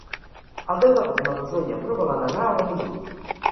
El deu d'agost na Rosó i en Bru volen anar a Benillup.